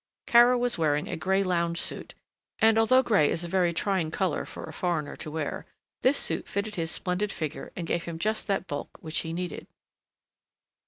Kara was wearing a grey lounge suit; and although grey is a very trying colour for a foreigner to wear, this suit fitted his splendid figure and gave him just that bulk which he needed.